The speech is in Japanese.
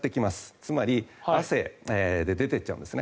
つまり汗で出ていっちゃうんですね。